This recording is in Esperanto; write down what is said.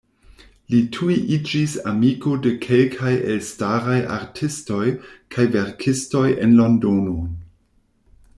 Li tuj iĝis amiko de kelkaj elstaraj artistoj kaj verkistoj en Londonon.